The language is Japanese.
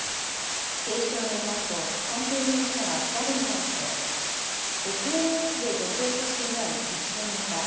警視庁によりますと三瓶容疑者は調べに対してＳＮＳで女性と知り合い一緒にいた。